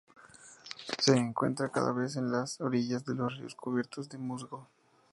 Se encuentra cada vez más en las orillas de los ríos cubiertos de musgo.